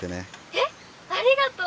「えっありがとう！」。